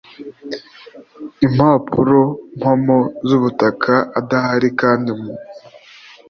impapurompamo z ubutaka adahari kandi mu